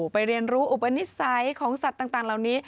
เรียนรู้อุปนิสัยของสัตว์ต่างเหล่านี้